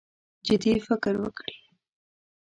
جدي فکر وکړي.